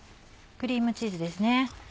クリームチーズですね。